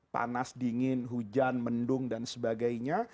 panas dingin hujan mendung dan sebagainya